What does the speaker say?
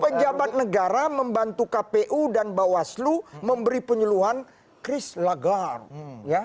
pejabat negara membantu kpu dan bawaslu memberi penyeluhan chris lagarde